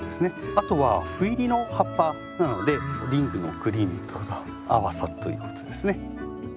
あとは斑入りの葉っぱなのでリングのクリームと合わさるということですね。